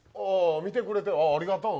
見てくれてありがとう。